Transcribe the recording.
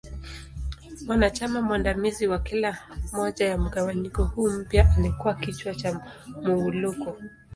Mwanachama mwandamizi wa kila moja ya mgawanyiko huu mpya alikua kichwa cha Muwuluko.